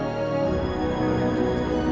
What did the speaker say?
gak usah lo nyesel